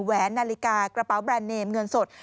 แหนนาฬิกากระเป๋าแบรนด์เนมเงินสด